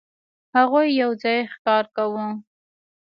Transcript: هغوی یو ځای ښکار کاوه.